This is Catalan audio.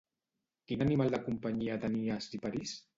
Quin animal de companyia tenia Ciparís?